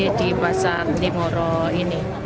jadi kita harus berhati hati